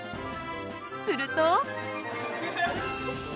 すると。